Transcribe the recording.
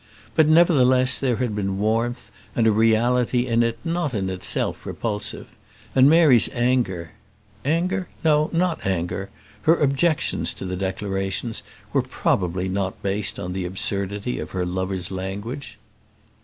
But, nevertheless, there had been warmth, and a reality in it not in itself repulsive; and Mary's anger anger? no, not anger her objections to the declarations were probably not based on the absurdity of her lover's language.